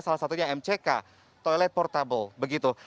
salah satunya mck toilet portable begitu